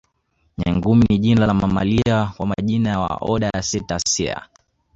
Nyangumi ni jina la mamalia wa majini wa oda ya Cetacea